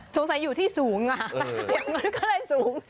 สงสัยอยู่ที่สูงอะอย่างนั้นก็ได้สูง